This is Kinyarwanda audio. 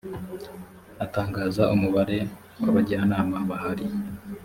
atangaza umubare w abajyanama bahari